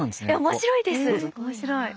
面白い。